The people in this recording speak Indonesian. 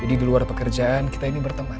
jadi di luar pekerjaan kita ini berteman